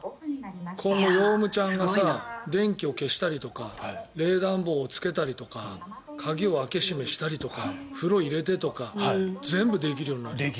ヨウムちゃんが冷暖房をつけたりとか鍵を開け閉めしたりとか風呂を入れてとか全部できるようになる。